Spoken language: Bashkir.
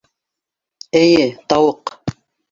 Эйе, тауыҡ.